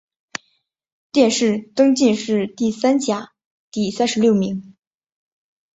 殿试登进士第三甲第三十六名。